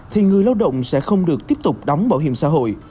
thì người lao động sẽ không được tiếp tục đóng bảo hiểm xã hội